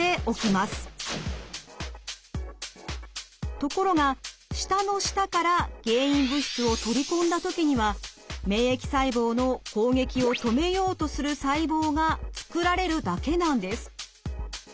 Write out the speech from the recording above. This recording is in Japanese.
ところが舌の下から原因物質を取り込んだ時には免疫細胞の攻撃を止めようとする細胞が作られるだけなんです。